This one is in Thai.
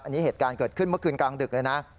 อันนี้เหตุการณ์เกิดขึ้นเมื่อคืนกลางดึกเลยนะ